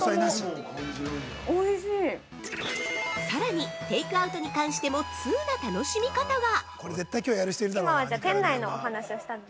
◆さらにテイクアウトに関してもツウな楽しみ方が！